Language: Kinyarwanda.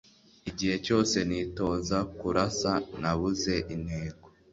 igihe cyose nitoza kurasa, nabuze intego